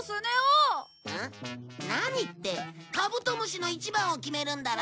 何ってカブトムシの一番を決めるんだろ？